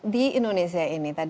di indonesia ini tadi kita lihat